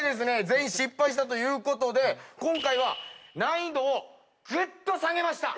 全員失敗したということで今回は難易度をぐっと下げました。